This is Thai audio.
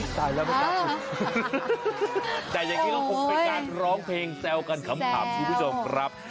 แต่อย่างนี้ก็คงเป็นการร้องเพลงแซวกันคำถามทุกผู้ชมครับ